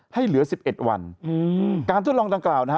เหลือ๑๑วันการทดลองดังกล่าวนะฮะ